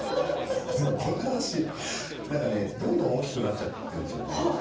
この話、なんかどんどん大きくなっちゃっているんですよね。